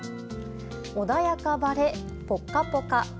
穏やか晴れ、ポッカポカ。